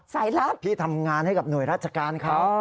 ลับพี่ทำงานให้กับหน่วยราชการเขา